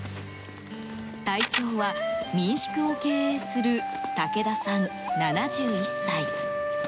隊長は、民宿を経営する武田さん、７１歳。